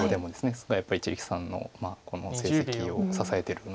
そこがやっぱり一力さんのこの成績を支えてるのかなと思います。